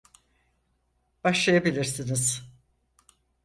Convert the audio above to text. Başlayabilirsiniz.